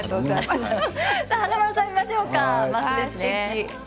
華丸さん見ましょうか。